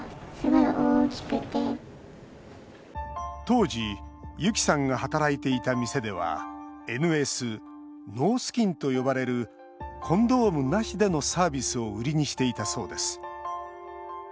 当時ユキさんが働いていた店ではＮＳ＝ノースキンと呼ばれるコンドームなしでのサービスを売りにしていたそうです。